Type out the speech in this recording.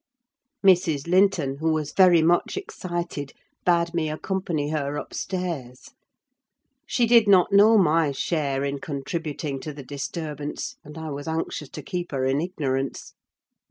Mrs. Linton, who was very much excited, bade me accompany her upstairs. She did not know my share in contributing to the disturbance, and I was anxious to keep her in ignorance.